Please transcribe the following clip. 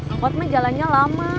angkot mah jalannya lama